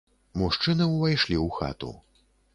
Мужчыны ўвайшлі ў хату.